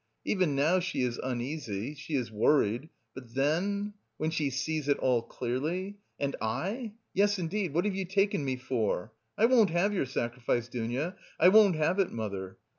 Even now she is uneasy, she is worried, but then, when she sees it all clearly? And I? Yes, indeed, what have you taken me for? I won't have your sacrifice, Dounia, I won't have it, mother!